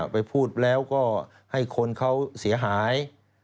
ไปพูดแล้วก็ให้คนเขาเสียหาย